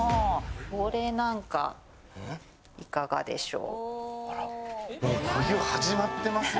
これなんかいかがでしょう？